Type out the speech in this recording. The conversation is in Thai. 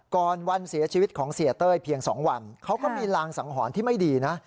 วันเสียชีวิตของเสียเต้ยเพียง๒วันเขาก็มีรางสังหรณ์ที่ไม่ดีนะ